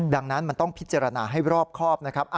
ดังนั้นมันต้องพิจารณาให้รอบครอบนะครับ